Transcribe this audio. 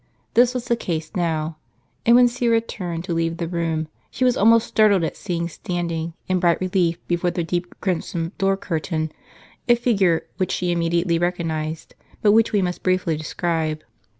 This was the case now ; and when Syra turned to leave the room she was almost startled at seeing standing, in bright relief before the deep crimson door curtain, a figure which she immediately recognized, but which we must briefly describe.